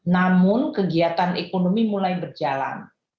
namun kegiatan ekonomi mulai berjalan